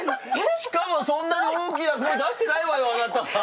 しかもそんなに大きな声出してないわよあなた！